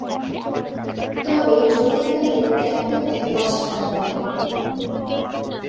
তবে যতীন তাদের ত্যাগ করতে অস্বীকার করে।